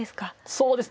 そうですね